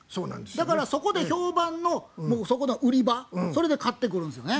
だからそこで評判のそこの売り場それで買ってくるんですよね。